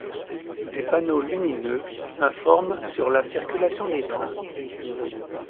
Des panneaux lumineux informent sur la circulation des trains.